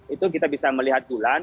itu kita bisa melihat bulan